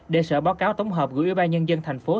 để sở báo cáo tổng hợp của ủy ban nhân dân tp hcm